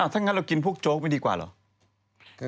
ถ้างั้นเรากินพวกโจ๊กไปดีกว่าเหรอ